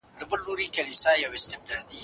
که هدف روښانه وي نو هڅه نه بې لاري کېږي.